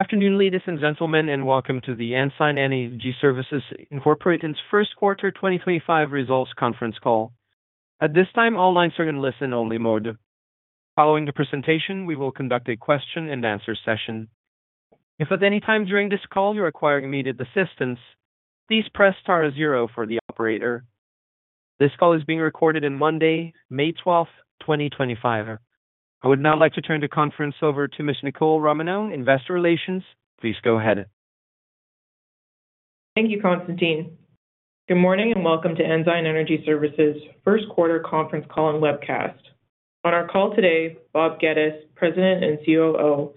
Afternoon, ladies and gentlemen, and welcome to the Ensign Energy Services Inc first quarter 2025 results conference call. At this time, all lines are in listen-only mode. Following the presentation, we will conduct a question-and-answer session. If at any time during this call you require immediate assistance, please press star zero for the operator. This call is being recorded on Monday, May 12, 2025. I would now like to turn the conference over to Ms. Nicole Romanow, Investor Relations. Please go ahead. Thank you, Constantine. Good morning and welcome to Ensign Energy Services' first quarter conference call and webcast. On our call today, Bob Geddes, President and COO,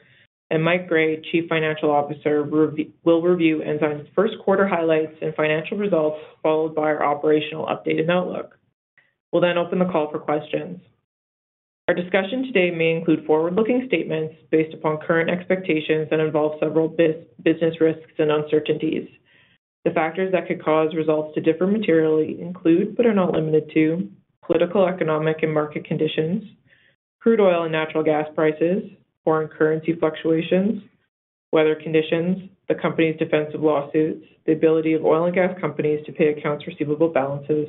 and Mike Gray, Chief Financial Officer, will review Ensign's first quarter highlights and financial results, followed by our operational update and outlook. We'll then open the call for questions. Our discussion today may include forward-looking statements based upon current expectations and involve several business risks and uncertainties. The factors that could cause results to differ materially include, but are not limited to, political, economic, and market conditions, crude oil and natural gas prices, foreign currency fluctuations, weather conditions, the company's defensive lawsuits, the ability of oil and gas companies to pay accounts receivable balances,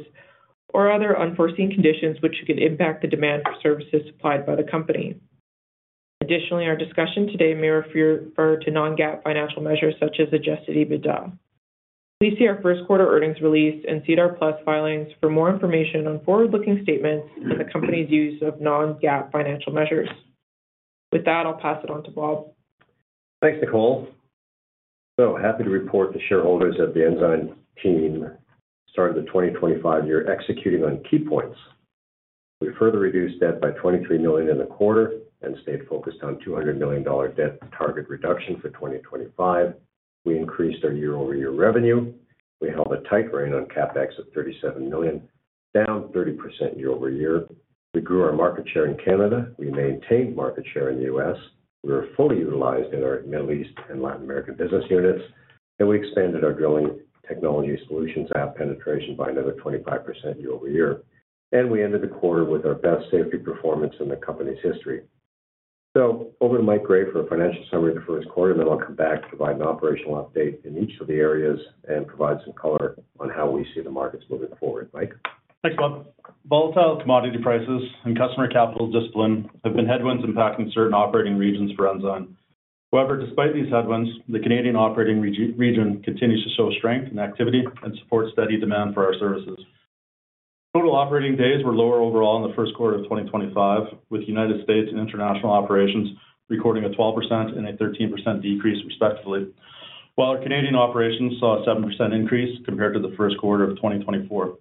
or other unforeseen conditions which could impact the demand for services supplied by the company. Additionally, our discussion today may refer to non-GAAP financial measures such as adjusted EBITDA. Please see our first quarter earnings release and SEDAR+ filings for more information on forward-looking statements and the company's use of non-GAAP financial measures. With that, I'll pass it on to Bob. Thanks, Nicole. Happy to report the shareholders of the Ensign team started the 2025 year executing on key points. We further reduced debt by 23 million in the quarter and stayed focused on a 200 million dollar debt target reduction for 2025. We increased our year-over-year revenue. We held a tight rein on CapEx of 37 million, down 30% year-over-year. We grew our market share in Canada. We maintained market share in the U.S. We were fully utilized in our Middle East and Latin American business units, and we expanded our drilling technology solutions app penetration by another 25% year-over-year. We ended the quarter with our best safety performance in the company's history. Over to Mike Gray for a financial summary of the first quarter, and then I'll come back to provide an operational update in each of the areas and provide some color on how we see the markets moving forward. Mike. Thanks, Bob. Volatile commodity prices and customer capital discipline have been headwinds impacting certain operating regions for Ensign. However, despite these headwinds, the Canadian operating region continues to show strength and activity and supports steady demand for our services. Total operating days were lower overall in the first quarter of 2025, with United States and international operations recording a 12% and a 13% decrease, respectively, while our Canadian operations saw a 7% increase compared to the first quarter of 2024.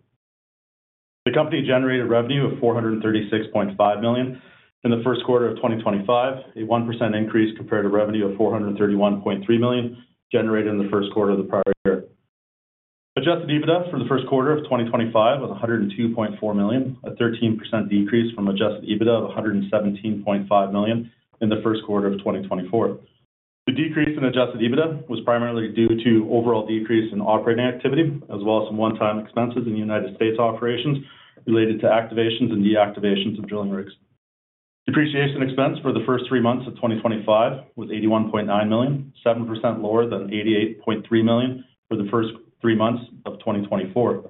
The company generated revenue of 436.5 million in the first quarter of 2025, a 1% increase compared to revenue of 431.3 million generated in the first quarter of the prior year. Adjusted EBITDA for the first quarter of 2025 was 102.4 million, a 13% decrease from adjusted EBITDA of 117.5 million in the first quarter of 2024. The decrease in adjusted EBITDA was primarily due to overall decrease in operating activity, as well as some one-time expenses in United States operations related to activations and deactivations of drilling rigs. Depreciation expense for the first three months of 2025 was 81.9 million, 7% lower than 88.3 million for the first three months of 2024.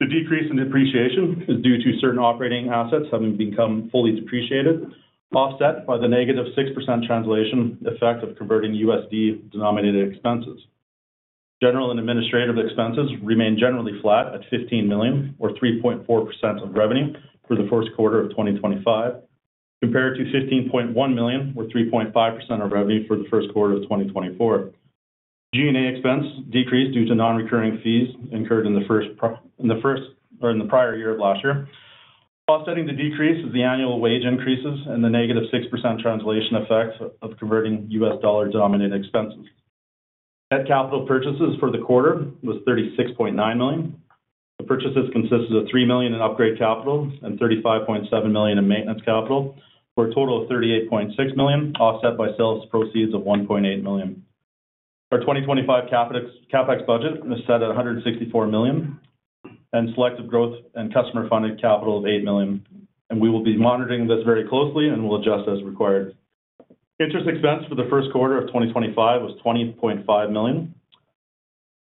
The decrease in depreciation is due to certain operating assets having become fully depreciated, offset by the negative 6% translation effect of converting USD-denominated expenses. General and administrative expenses remain generally flat at 15 million, or 3.4% of revenue for the first quarter of 2025, compared to 15.1 million, or 3.5% of revenue for the first quarter of 2024. G&A expense decreased due to non-recurring fees incurred in the prior year. Offsetting the decrease is the annual wage increases and the negative 6% translation effect of converting U.S. dollar-denominated expenses. Net capital purchases for the quarter was 36.9 million. The purchases consisted of 3 million in upgrade capital and 35.7 million in maintenance capital, for a total of 38.6 million, offset by sales proceeds of 1.8 million. Our 2025 CapEx budget is set at 164 million and selective growth and customer-funded capital of 8 million. We will be monitoring this very closely and will adjust as required. Interest expense for the first quarter of 2025 was 20.5 million,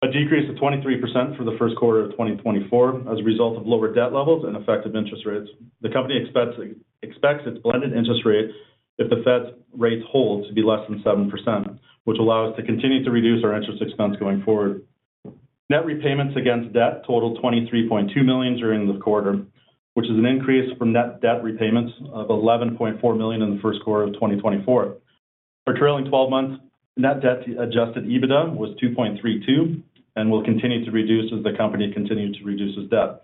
a decrease of 23% for the first quarter of 2024 as a result of lower debt levels and effective interest rates. The company expects its blended interest rate, if the Fed's rates hold, to be less than 7%, which allows us to continue to reduce our interest expense going forward. Net repayments against debt totaled 23.2 million during the quarter, which is an increase from net debt repayments of 11.4 million in the first quarter of 2024. Our trailing 12 months net debt adjusted EBITDA was 2.32 and will continue to reduce as the company continues to reduce its debt.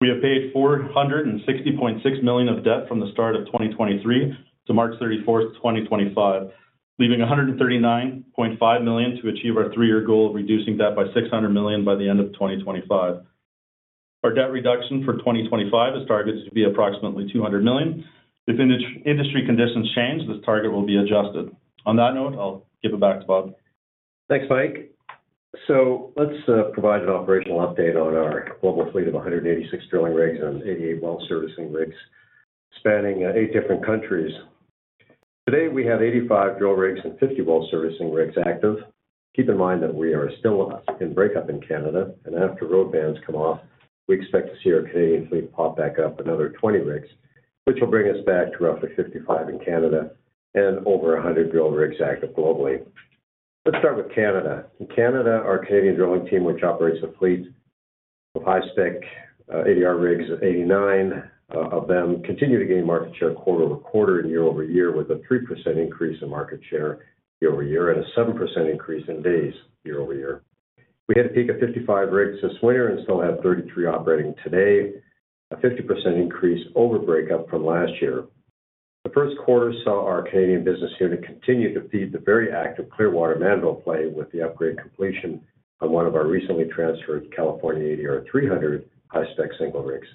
We have paid 460.6 million of debt from the start of 2023 to March 31, 2025, leaving 139.5 million to achieve our three-year goal of reducing debt by 600 million by the end of 2025. Our debt reduction for 2025 is targeted to be approximately $200 million. If industry conditions change, this target will be adjusted. On that note, I'll give it back to Bob. Thanks, Mike. Let's provide an operational update on our global fleet of 186 drilling rigs and 88 well-servicing rigs spanning eight different countries. Today, we have 85 drill rigs and 50 well-servicing rigs active. Keep in mind that we are still in breakup in Canada, and after road bans come off, we expect to see our Canadian fleet pop back up another 20 rigs, which will bring us back to roughly 55 in Canada and over 100 drill rigs active globally. Let's start with Canada. In Canada, our Canadian drilling team, which operates a fleet of high-spec ADR rigs, 89 of them, continue to gain market share quarter over quarter and year over year, with a 3% increase in market share year over year and a 7% increase in days year over year. We had a peak of 55 rigs this winter and still have 33 operating today, a 50% increase over breakup from last year. The first quarter saw our Canadian business unit continue to feed the very active Clearwater Mandeville play with the upgrade completion of one of our recently transferred California ADR 300 high-spec single rigs.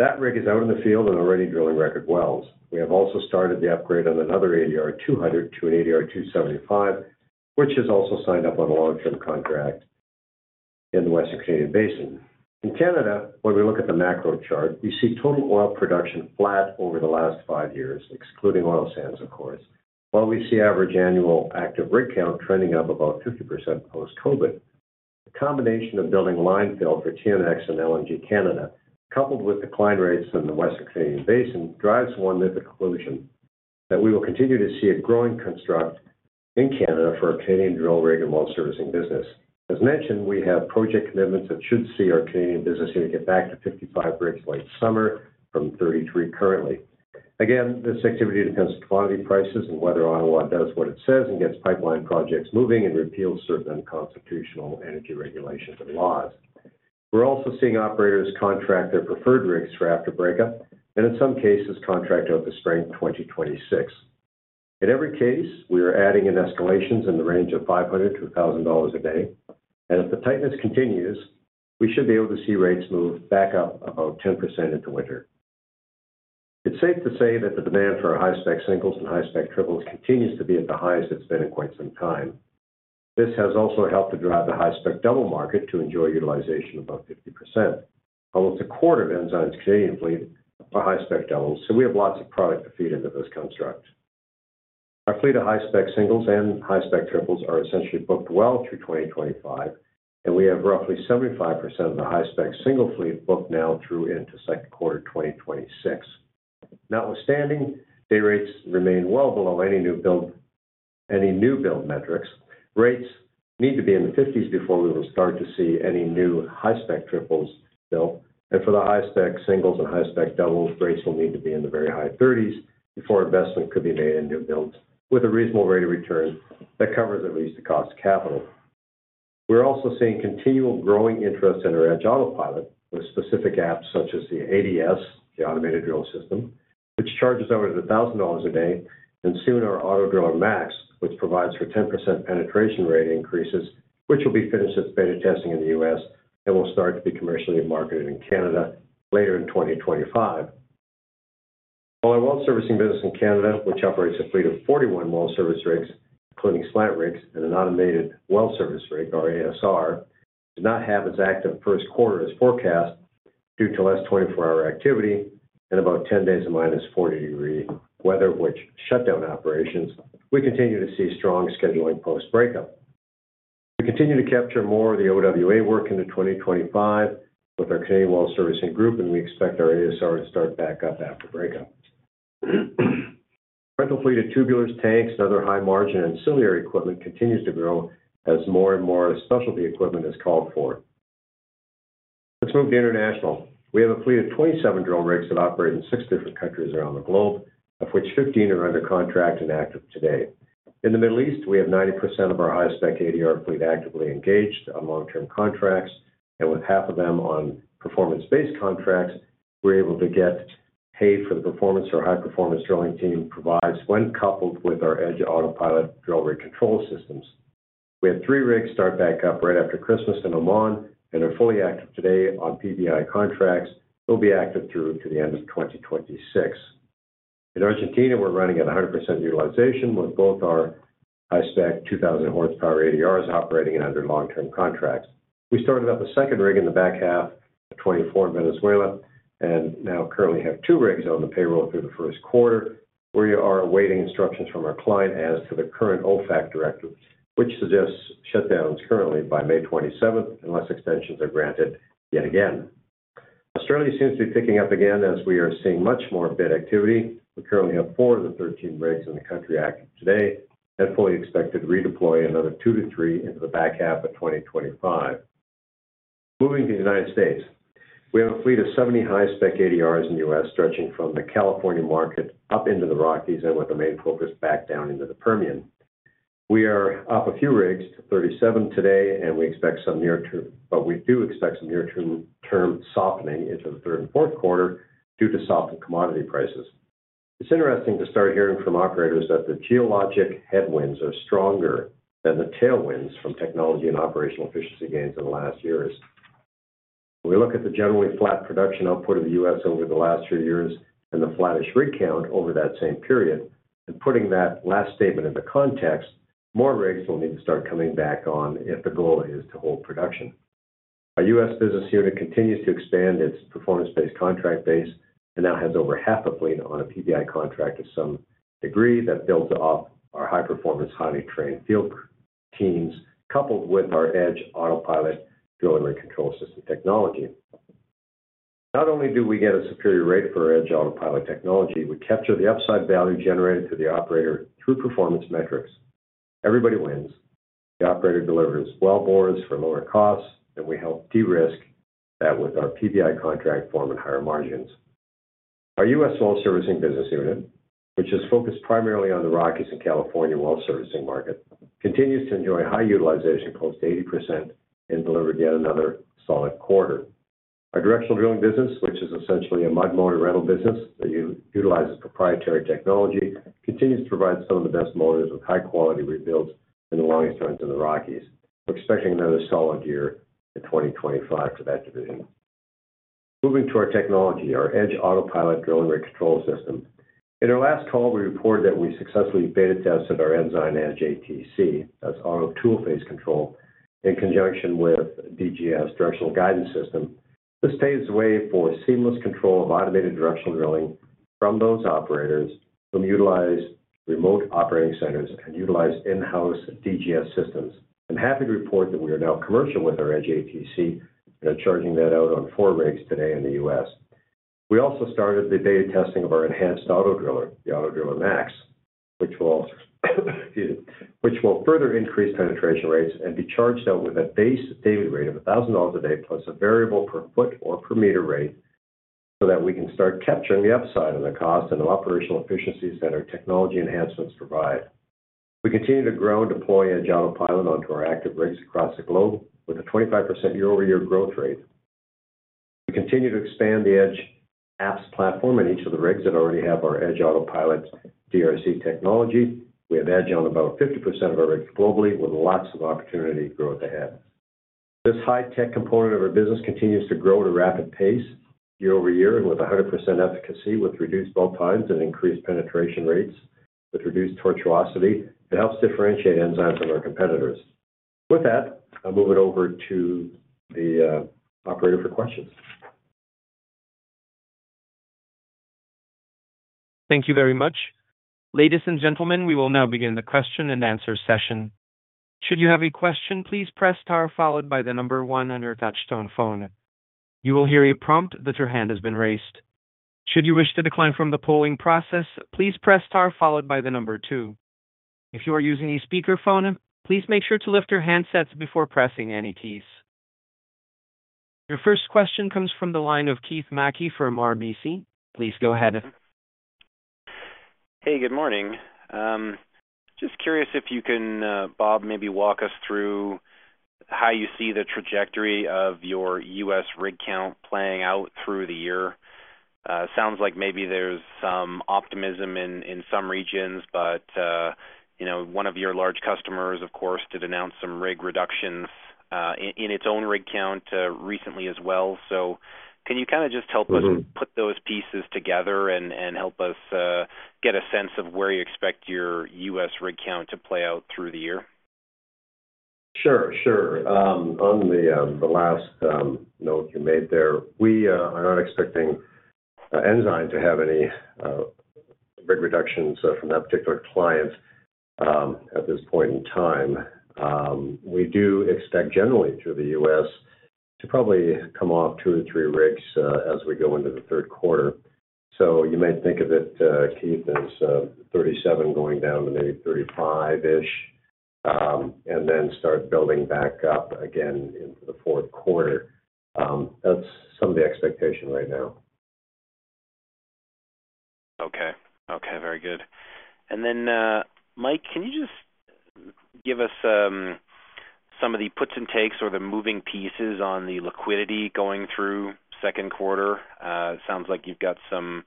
That rig is out in the field and already drilling record wells. We have also started the upgrade on another ADR 200 to an ADR 275, which has also signed up on a long-term contract in the Western Canadian Basin. In Canada, when we look at the macro chart, we see total oil production flat over the last five years, excluding oil sands, of course, while we see average annual active rig count trending up about 50% post-COVID. The combination of building line fill for TMX and LNG Canada, coupled with decline rates in the Western Canadian Basin, drives one to the conclusion that we will continue to see a growing construct in Canada for our Canadian drill rig and well-servicing business. As mentioned, we have project commitments that should see our Canadian business unit get back to 55 rigs late summer from 33 currently. Again, this activity depends on commodity prices and whether Ottawa does what it says and gets pipeline projects moving and repeals certain unconstitutional energy regulations and laws. We are also seeing operators contract their preferred rigs for after breakup and, in some cases, contract out the spring 2026. In every case, we are adding in escalations in the range of 500-1,000 dollars a day. If the tightness continues, we should be able to see rates move back up about 10% into winter. It's safe to say that the demand for our high-spec singles and high-spec triples continues to be at the highest it's been in quite some time. This has also helped to drive the high-spec double market to enjoy utilization above 50%. Almost a quarter of Ensign's Canadian fleet are high-spec doubles, so we have lots of product to feed into this construct. Our fleet of high-spec singles and high-spec triples are essentially booked well through 2025, and we have roughly 75% of the high-spec single fleet booked now through into second quarter 2026. Notwithstanding, day rates remain well below any new build metrics. Rates need to be in the 50s before we will start to see any new high-spec triples built. For the high-spec singles and high-spec doubles, rates will need to be in the very high 30s before investment could be made in new builds with a reasonable rate of return that covers at least the cost of capital. We are also seeing continual growing interest in our EDGE AUTOPILOT with specific apps such as the ADS, the automated drill system, which charges out at 1,000 dollars a day, and soon our AutoDriller Max, which provides for 10% penetration rate increases, which will be finished its beta testing in the U.S. and will start to be commercially marketed in Canada later in 2025. While our well-servicing business in Canada, which operates a fleet of 41 well-servicing rigs, including slant rigs and an automated well-servicing rig, our ASR, did not have its active first quarter as forecast due to less than 24-hour activity and about 10 days of -40-degree weather, which shut down operations, we continue to see strong scheduling post-breakup. We continue to capture more of the OWA work into 2025 with our Canadian well-servicing group, and we expect our ASR to start back up after breakup. Rental fleet of tubulars, tanks, and other high-margin ancillary equipment continues to grow as more and more specialty equipment is called for. Let's move to international. We have a fleet of 27 drill rigs that operate in six different countries around the globe, of which 15 are under contract and active today. In the Middle East, we have 90% of our high-spec ADR fleet actively engaged on long-term contracts, and with half of them on performance-based contracts, we're able to get paid for the performance our high-performance drilling team provides when coupled with our EDGE AUTOPILOT drill rig control systems. We have three rigs start back up right after Christmas in Oman and are fully active today on PBI contracts. They'll be active through to the end of 2026. In Argentina, we're running at 100% utilization with both our high-spec 2,000-horsepower ADRs operating and under long-term contracts. We started up a second rig in the back half of 2024 in Venezuela and now currently have two rigs on the payroll through the first quarter. We are awaiting instructions from our client as to the current OFAC directive, which suggests shutdowns currently by May 27 unless extensions are granted yet again. Australia seems to be picking up again as we are seeing much more bid activity. We currently have four of the 13 rigs in the country active today and fully expect to redeploy another two to three into the back half of 2025. Moving to the United States, we have a fleet of 70 high-spec ADRs in the US stretching from the California market up into the Rockies and with a main focus back down into the Permian. We are up a few rigs to 37 today, and we expect some near-term, but we do expect some near-term softening into the third and fourth quarter due to softened commodity prices. It's interesting to start hearing from operators that the geologic headwinds are stronger than the tailwinds from technology and operational efficiency gains in the last years. We look at the generally flat production output of the U.S. over the last three years and the flattish rig count over that same period. Putting that last statement into context, more rigs will need to start coming back on if the goal is to hold production. Our U.S. business unit continues to expand its performance-based contract base and now has over half a fleet on a PBI contract to some degree that builds off our high-performance, highly trained field teams coupled with our EDGE AUTOPILOT drill rig control system technology. Not only do we get a superior rate for our EDGE AUTOPILOT technology, we capture the upside value generated to the operator through performance metrics. Everybody wins. The operator delivers well bores for lower costs, and we help de-risk that with our PBI contract forming higher margins. Our US well-servicing business unit, which is focused primarily on the Rockies and California well-servicing market, continues to enjoy high utilization close to 80% and delivered yet another solid quarter. Our directional drilling business, which is essentially a mud motor rental business that utilizes proprietary technology, continues to provide some of the best motors with high-quality rebuilds and the longest runs in the Rockies. We're expecting another solid year in 2025 for that division. Moving to our technology, our EDGE AUTOPILOT drill rig control system. In our last call, we reported that we successfully beta tested our Ensign Edge ATC as auto tool phase control in conjunction with DGS directional guidance system. This paves the way for seamless control of automated directional drilling from those operators who utilize remote operating centers and utilize in-house DGS systems. I'm happy to report that we are now commercial with our Edge ATC and are charging that out on four rigs today in the US. We also started the beta testing of our enhanced auto driller, the AutoDriller Max, which will further increase penetration rates and be charged out with a base daily rate of 1,000 dollars a day plus a variable per foot or per meter rate so that we can start capturing the upside of the cost and the operational efficiencies that our technology enhancements provide. We continue to grow and deploy EDGE AUTOPILOT onto our active rigs across the globe with a 25% year-over-year growth rate. We continue to expand the Edge apps platform in each of the rigs that already have our EDGE AUTOPILOT DRC technology. We have Edge on about 50% of our rigs globally with lots of opportunity growth ahead. This high-tech component of our business continues to grow at a rapid pace year over year and with 100% efficacy with reduced bolt times and increased penetration rates with reduced tortuosity. It helps differentiate Ensign from our competitors. With that, I'll move it over to the operator for questions. Thank you very much. Ladies and gentlemen, we will now begin the question and answer session. Should you have a question, please press star followed by the number one on your touchstone phone. You will hear a prompt that your hand has been raised. Should you wish to decline from the polling process, please press star followed by the number two. If you are using a speakerphone, please make sure to lift your handsets before pressing any keys. Your first question comes from the line of Keith Mackey from RBC. Please go ahead. Hey, good morning. Just curious if you can, Bob, maybe walk us through how you see the trajectory of your U.S. rig count playing out through the year. Sounds like maybe there's some optimism in some regions, but one of your large customers, of course, did announce some rig reductions in its own rig count recently as well. Can you kind of just help us put those pieces together and help us get a sense of where you expect your U.S. rig count to play out through the year? Sure, sure. On the last note you made there, we are not expecting Ensign to have any rig reductions from that particular client at this point in time. We do expect generally through the U.S. to probably come off two or three rigs as we go into the third quarter. You may think of it, Keith, as 37 going down to maybe 35-ish and then start building back up again into the fourth quarter. That is some of the expectation right now. Okay, okay, very good. Mike, can you just give us some of the puts and takes or the moving pieces on the liquidity going through second quarter? Sounds like you've got some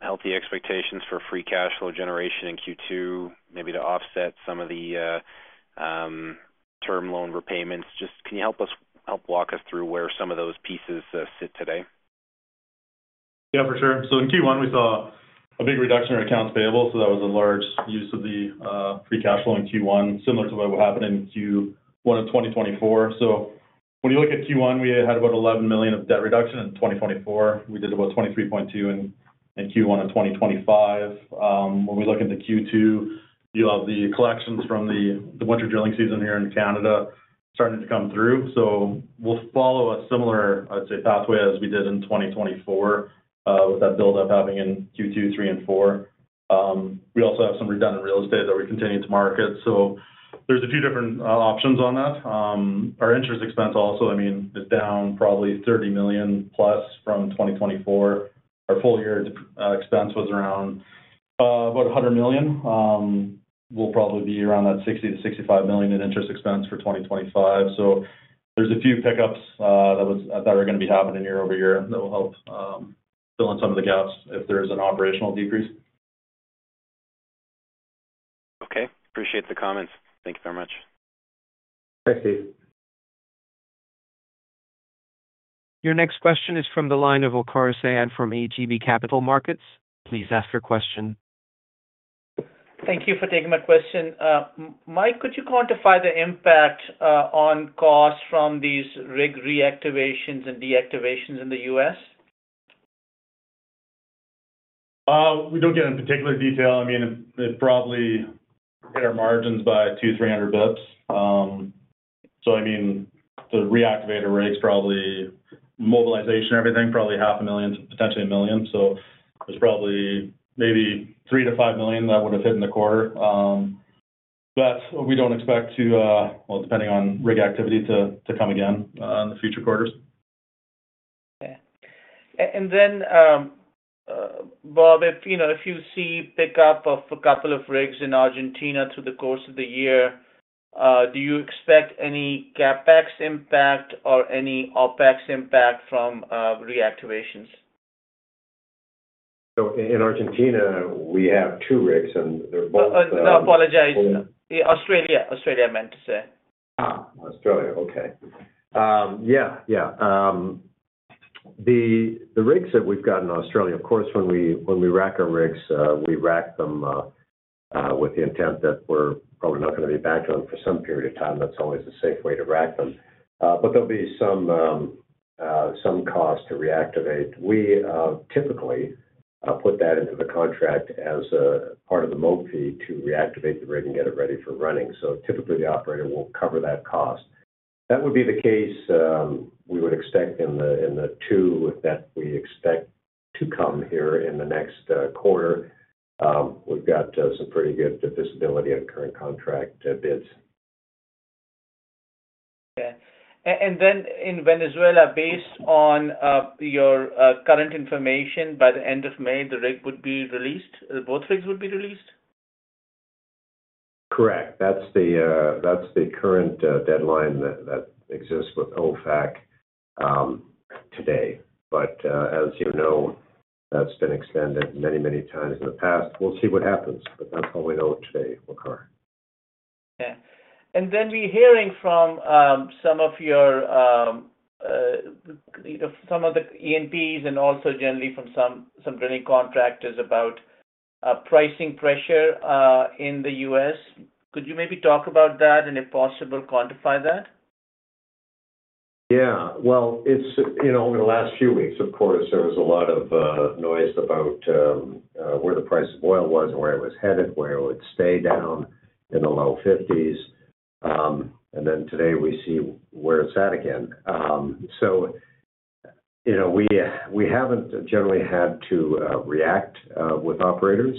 healthy expectations for free cash flow generation in Q2, maybe to offset some of the term loan repayments. Just can you help us help walk us through where some of those pieces sit today? Yeah, for sure. In Q1, we saw a big reduction in our accounts payable, so that was a large use of the free cash flow in Q1, similar to what will happen in Q1 of 2024. When you look at Q1, we had about 11 million of debt reduction in 2024. We did about 23.2 million in Q1 of 2025. When we look into Q2, you have the collections from the winter drilling season here in Canada starting to come through. We will follow a similar, I'd say, pathway as we did in 2024 with that build-up happening in Q2, Q3, and Q4. We also have some redundant real estate that we continue to market. There are a few different options on that. Our interest expense also, I mean, is down probably 30 million plus from 2024. Our full-year expense was around about 100 million. We'll probably be around that 60 million-65 million in interest expense for 2025. There are a few pickups that are going to be happening year over year that will help fill in some of the gaps if there is an operational decrease. Okay, appreciate the comments. Thank you very much. Thanks, Keith. Your next question is from the line of Waqar Syed from ATB Capital Markets. Please ask your question. Thank you for taking my question. Mike, could you quantify the impact on costs from these rig reactivations and deactivations in the U.S.? We do not get in particular detail. I mean, it probably hit our margins by 200-300 bips. I mean, the reactivated rigs, probably mobilization, everything, probably 500,000, potentially 1 million. There is probably maybe 3 million-5 million that would have hit in the quarter. We do not expect to, well, depending on rig activity, to come again in the future quarters. Okay. Bob, if you see pickup of a couple of rigs in Argentina through the course of the year, do you expect any CapEx impact or any OpEx impact from reactivations? In Argentina, we have two rigs, and they're both. No, apologize. Australia, Australia meant to say. Australia, okay. Yeah, yeah. The rigs that we've got in Australia, of course, when we rack our rigs, we rack them with the intent that we're probably not going to be back to them for some period of time. That's always a safe way to rack them. There'll be some cost to reactivate. We typically put that into the contract as part of the mop fee to reactivate the rig and get it ready for running. Typically, the operator will cover that cost. That would be the case we would expect in the two that we expect to come here in the next quarter. We've got some pretty good visibility on current contract bids. Okay. In Venezuela, based on your current information, by the end of May, the rig would be released. Both rigs would be released? Correct. That's the current deadline that exists with OFAC today. As you know, that's been extended many, many times in the past. We'll see what happens, but that's all we know today, Waqar. Okay. We are hearing from some of your, some of the E&Ps and also generally from some drilling contractors about pricing pressure in the U.S. Could you maybe talk about that and, if possible, quantify that? Yeah. Over the last few weeks, of course, there was a lot of noise about where the price of oil was and where it was headed, where it would stay down in the low CAD 50s. Then today we see where it's at again. We haven't generally had to react with operators.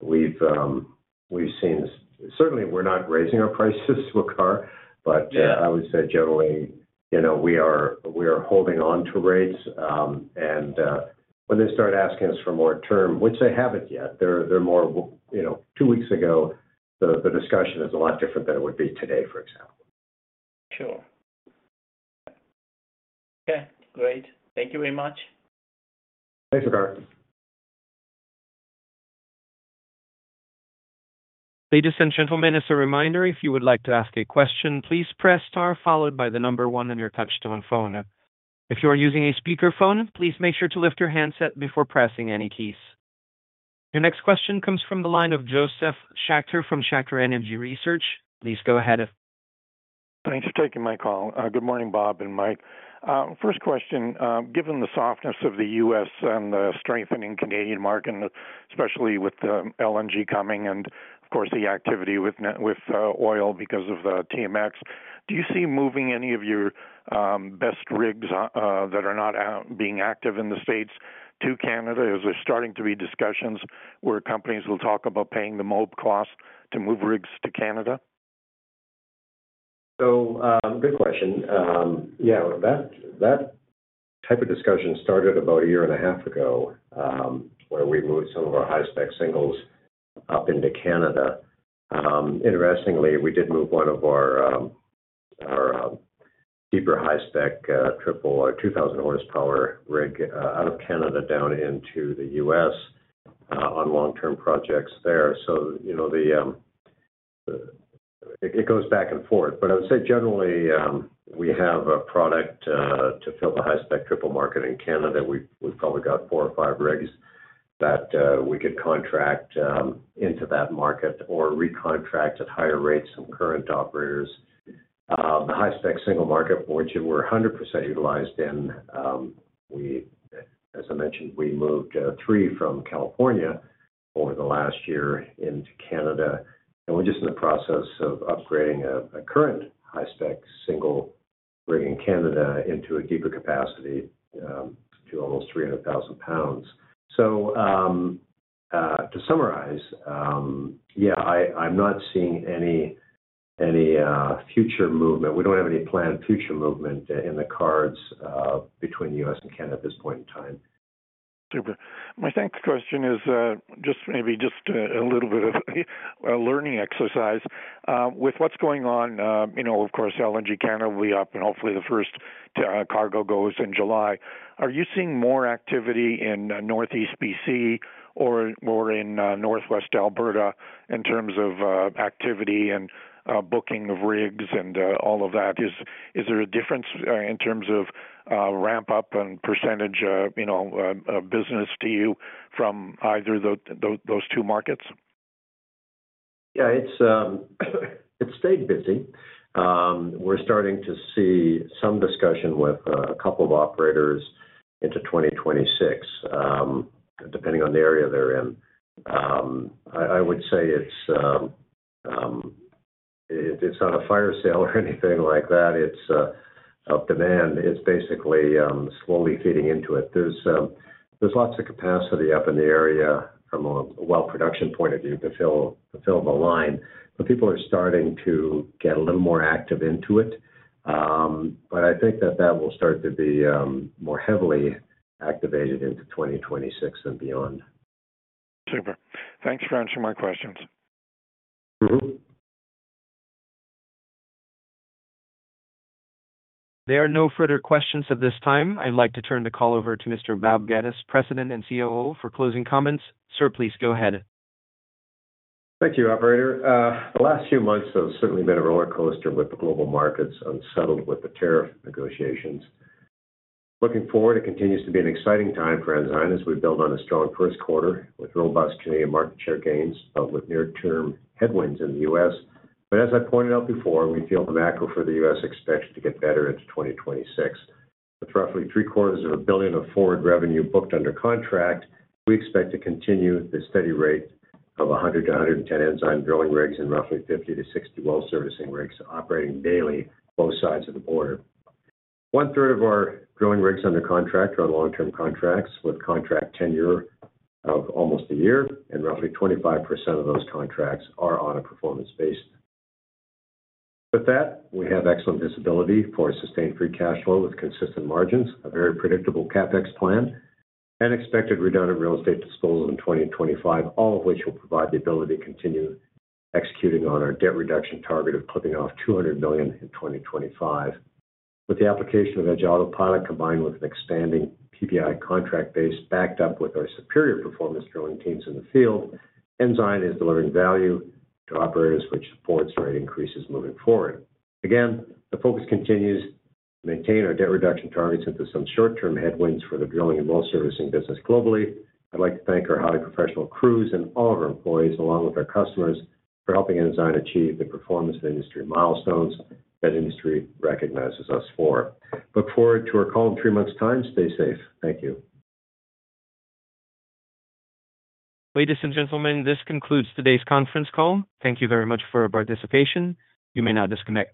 We've seen certainly we're not raising our prices, okay, but I would say generally we are holding on to rates. When they start asking us for more term, which they haven't yet, two weeks ago, the discussion is a lot different than it would be today, for example. Sure. Okay, great. Thank you very much. Thanks, Waqar. Ladies and gentlemen, as a reminder, if you would like to ask a question, please press star followed by the number one on your touchstone phone. If you are using a speakerphone, please make sure to lift your handset before pressing any keys. Your next question comes from the line of Josef Schachter from Schachter Energy Research. Please go ahead. Thanks for taking my call. Good morning, Bob and Mike. First question, given the softness of the U.S. and the strengthening Canadian market, especially with the LNG coming and, of course, the activity with oil because of the TMX, do you see moving any of your best rigs that are not being active in the states to Canada? Is there starting to be discussions where companies will talk about paying the mob cost to move rigs to Canada? Good question. Yeah, that type of discussion started about a year and a half ago where we moved some of our high-spec singles up into Canada. Interestingly, we did move one of our deeper high-spec triple 2,000 hp rig out of Canada down into the U.S. on long-term projects there. It goes back and forth. I would say generally we have a product to fill the high-spec triple market in Canada. We've probably got four or five rigs that we could contract into that market or recontract at higher rates from current operators. The high-spec single market, which we're 100% utilized in, as I mentioned, we moved three from California over the last year into Canada. We're just in the process of upgrading a current high-spec single rig in Canada into a deeper capacity to almost 300,000 lbs. To summarize, yeah, I'm not seeing any future movement. We don't have any planned future movement in the cards between the U.S. and Canada at this point in time. Super. My next question is just maybe just a little bit of a learning exercise. With what's going on, of course, LNG Canada will be up and hopefully the first cargo goes in July. Are you seeing more activity in Northeast BC or in Northwest Alberta in terms of activity and booking of rigs and all of that? Is there a difference in terms of ramp-up and percentage of business to you from either of those two markets? Yeah, it's stayed busy. We're starting to see some discussion with a couple of operators into 2026, depending on the area they're in. I would say it's not a fire sale or anything like that. It's of demand. It's basically slowly feeding into it. There's lots of capacity up in the area from a well production point of view to fill the line. People are starting to get a little more active into it. I think that that will start to be more heavily activated into 2026 and beyond. Super. Thanks for answering my questions. There are no further questions at this time. I'd like to turn the call over to Mr. Bob Geddes, President and COO, for closing comments. Sir, please go ahead. Thank you, Operator. The last few months have certainly been a roller coaster with the global markets unsettled with the tariff negotiations. Looking forward, it continues to be an exciting time for Ensign as we build on a strong first quarter with robust Canadian market share gains but with near-term headwinds in the U.S. As I pointed out before, we feel the macro for the U.S. expects to get better into 2026. With roughly 750 million of forward revenue booked under contract, we expect to continue the steady rate of 100-110 Ensign drilling rigs and roughly 50-60 well servicing rigs operating daily both sides of the border. One third of our drilling rigs under contract are on long-term contracts with contract tenure of almost a year, and roughly 25% of those contracts are on a performance base. With that, we have excellent visibility for sustained free cash flow with consistent margins, a very predictable CapEx plan, and expected redundant real estate disposal in 2025, all of which will provide the ability to continue executing on our debt reduction target of clipping off 200 million in 2025. With the application of EDGE AUTOPILOT combined with an expanding PBI contract base backed up with our superior performance drilling teams in the field, Ensign is delivering value to operators, which supports rate increases moving forward. Again, the focus continues to maintain our debt reduction targets into some short-term headwinds for the drilling and well servicing business globally. I'd like to thank our highly professional crews and all of our employees along with our customers for helping Ensign achieve the performance of industry milestones that industry recognizes us for. Look forward to our call in three months' time. Stay safe. Thank you. Ladies and gentlemen, this concludes today's conference call. Thank you very much for your participation. You may now disconnect.